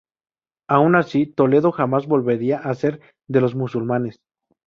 Aun así, Toledo jamás volvería a ser de los musulmanes.